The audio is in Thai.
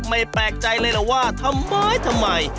ไม่แปลกใจเลยล่ะว่าทำไม